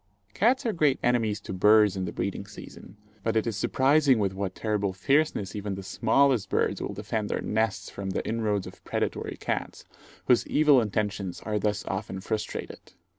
Cats are great enemies to birds in the breeding season; but it is surprising with what terrible fierceness even the smallest birds will defend their nests from the inroads of predatory cats, whose evil intentions are thus often frustrated.